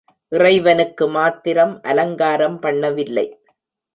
இறைவனுக்கு மாத்திரம் அலங்காரம் பண்ணவில்லை.